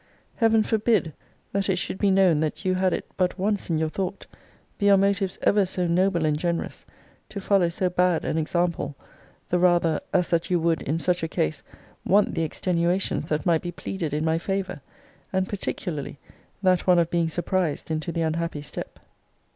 Heaven forbid that it should be known that you had it but once in your thought, be your motives ever so noble and generous, to follow so bad an example, the rather, as that you would, in such a case, want the extenuations that might be pleaded in my favour; and particularly that one of being surprised into the unhappy step!